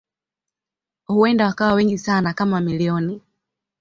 Huenda wakawa wengi sana kama milioni.